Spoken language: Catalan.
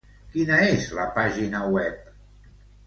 Quina és la pàgina web?